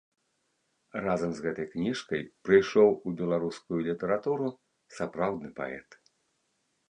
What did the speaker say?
Разам з гэтай кніжкай прыйшоў у беларускую літаратуру сапраўдны паэт.